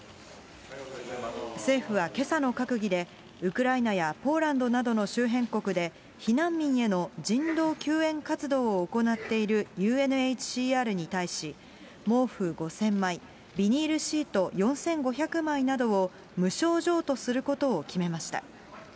政府はけさの閣議で、ウクライナやポーランドなどの周辺国で、避難民への人道救援活動を行っているＵＮＨＣＲに対し、毛布５０００枚、ビニールシート４５００枚などを無償譲渡することを決めました。